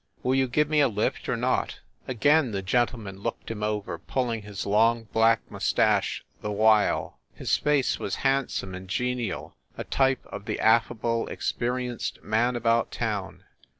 Will you give me a lift or not?" Again the gentleman looked him over, pulling his long black mustache the while. His face was hand some and genial, a type of the affable, experienced man about town.